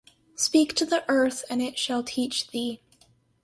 Speak to the earth and it shall teach thee.